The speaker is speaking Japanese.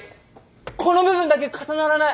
この部分だけ重ならない。